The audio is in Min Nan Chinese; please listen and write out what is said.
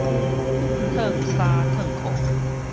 褪衫褪褲